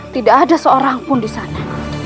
tidak ada seorang pun di sana